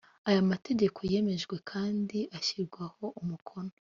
aya mategeko yemejwe kandi ashyirwaho umukono